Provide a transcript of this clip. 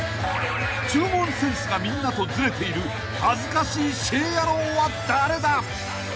［注文センスがみんなとずれている恥ずかしいシェー野郎は誰だ？］